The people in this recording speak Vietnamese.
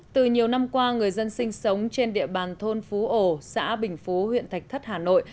từ nhiều năm qua người dân sinh sống trên địa bàn thôn phú ổ xã bình phú huyện thạch thất hà nội